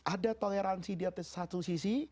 ada toleransi di atas satu sisi